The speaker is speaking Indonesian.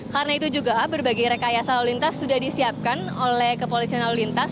karena itu juga berbagai rekayasa lalu lintas sudah disiapkan oleh kepolisian lalu lintas